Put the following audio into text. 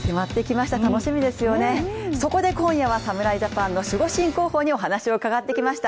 楽しみですよね、そこで今夜は侍ジャパンの守護神候補にお話を伺ってきました。